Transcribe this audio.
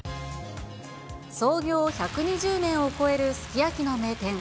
創業１２０年を超えるすき焼きの名店。